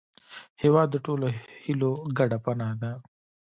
هېواد د ټولو هیلو ګډه پناه ده.